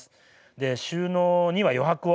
で収納には余白を。